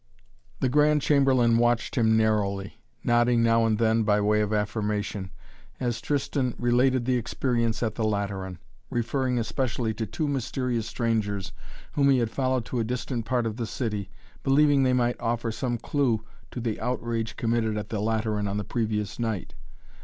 The Grand Chamberlain watched him narrowly, nodding now and then by way of affirmation, as Tristan related the experience at the Lateran, referring especially to two mysterious strangers whom he had followed to a distant part of the city, believing they might offer some clue to the outrage committed at the Lateran on the previous night.